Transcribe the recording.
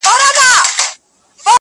ليلا مجنون_